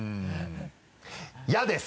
嫌です！